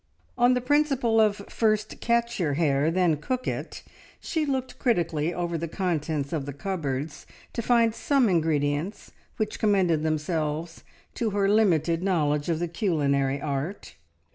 On the principle of "first catch your hare, then cook it," she looked critically over the contents of the cupboards to find some ingredients which commended themselves to her limited knowledge of the culinary art.